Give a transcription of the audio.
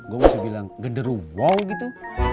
gue masih bilang genderu wow gitu